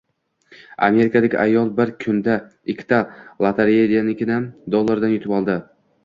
Amerikalik ayol bir kunda ikkita lotereyadanikkimln dollardan yutib oldi